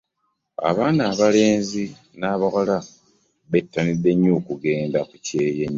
Abaana abalenzi n'abawala bettanidde nnyo okugenda ku kyeyo eyo.